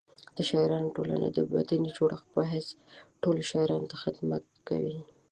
د شاعرانو ټولنه د مدني جوړښت په حیث ټولو شاعرانو ته خدمت کوي.